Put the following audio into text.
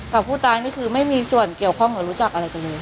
กับผู้ตายนี่คือไม่มีส่วนเกี่ยวข้องหรือรู้จักอะไรกันเลย